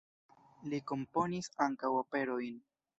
Li komponis ankaŭ operojn.